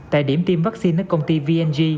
tại điểm tiêm vaccine ở công ty vng